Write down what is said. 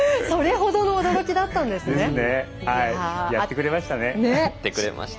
それほどの驚きだったんですね。